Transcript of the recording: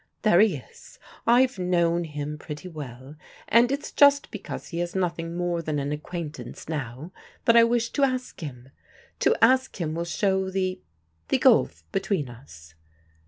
There he is: I've known him pretty well, and it's just because he is nothing more than an acquaintance now, that I wish to ask him. To ask him will show the the gulf between us."